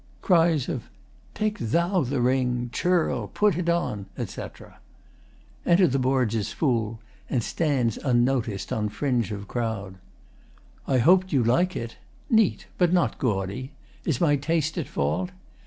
Cries of 'Take thou the ring!' 'Churl!' 'Put it on!' etc. Enter the Borgias' FOOL and stands unnoticed on fringe of crowd.] I hoped you 'ld like it Neat but not gaudy. Is my taste at fault?